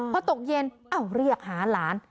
พอตกเย็นเรียกหาหลาน